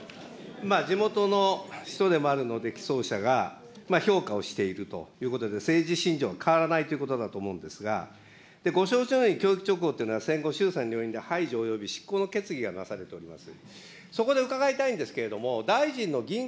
地元の人でもあるので、起草者が、評価をしているということで、政治信条、変わらないということだと思うんですが、ご承知のように教育勅語というのは戦後、衆参両院でおよびしっこうの決議がなされております。